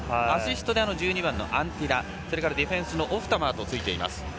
アシストで１２番のアンティラディフェンスのオフタマーとついています。